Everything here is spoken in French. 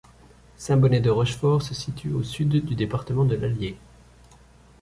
Saint-Bonnet-de-Rochefort se situe au sud du département de l'Allier.